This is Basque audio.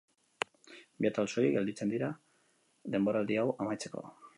Bi atal soilik gelditzen dira denboraldi hau amaitzeko.